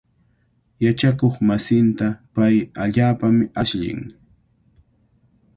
Yachakuqmasinta pay allaapami ashllin.